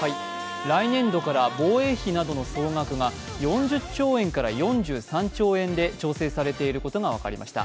来年度から防衛費などの総額が４０兆円から４３兆円で調整されていることが分かりました。